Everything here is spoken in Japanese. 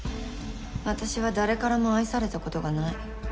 私は誰からも愛されたことがない